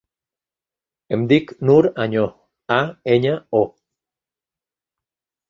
Em dic Nour Año: a, enya, o.